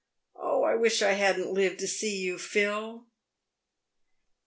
Oh, I wish I hadn't lived to see you, Phil."